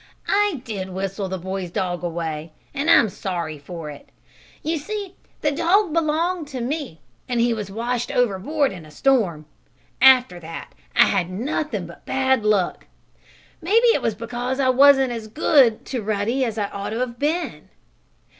"I did whistle the boy's dog away, and I'm sorry for it. You see the dog belonged to me, and he was washed overboard in a storm. After that I had nothing but bad luck. Maybe it was because I wasn't as good to Ruddy as I ought to have been.